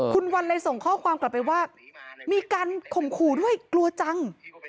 คุณวันเลยส่งข้อความกลับไปว่ามีการข่มขู่ด้วยกลัวจัง